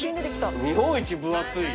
「日本一ぶ厚い」